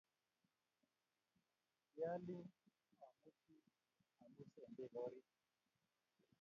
Kialin amuchi ambus eng peko oriit